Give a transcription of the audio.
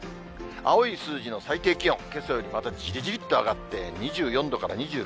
青い数字の最低気温、けさよりまたじりじりっと上がって、２４度から２６度。